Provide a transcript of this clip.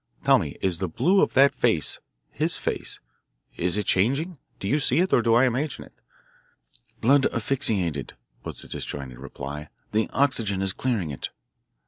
Tell me, is the blue of that face his face is it changing? Do you see it, or do I imagine it?" "Blood asphyxiated," was the disjointed reply. "The oxygen is clearing it."